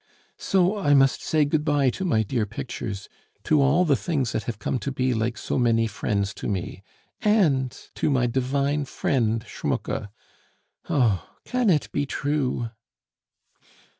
"So I must say good bye to my dear pictures, to all the things that have come to be like so many friends to me... and to my divine friend Schmucke?... Oh! can it be true?"